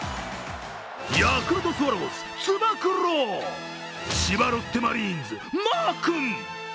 ヤクルトスワローズ、つば九郎、千葉ロッテマリーンズ、マーくん。